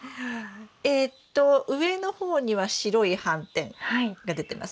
えっと上の方には白い斑点が出てますね。